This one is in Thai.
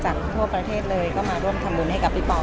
ทั่วประเทศเลยก็มาร่วมทำบุญให้กับพี่ป๋อ